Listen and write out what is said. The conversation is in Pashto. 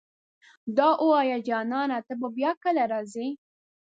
دا اووايه جانانه ته به بيا کله راځې